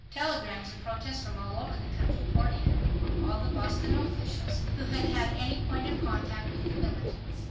Telegrams of protest from all over the country poured in upon all the Boston officials who had had any point of contact with the militants.